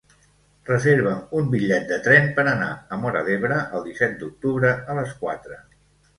Reserva'm un bitllet de tren per anar a Móra d'Ebre el disset d'octubre a les quatre.